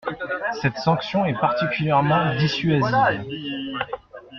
Cette sanction est particulièrement dissuasive.